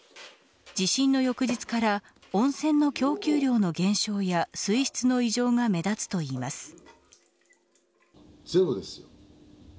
地震の翌日から温泉の供給量の減少や水質の異常が目立つといいます。